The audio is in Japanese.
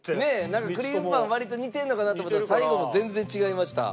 なんかクリームパン割と似てるのかなと思ったら最後も全然違いました。